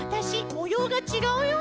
もようがちがうよ」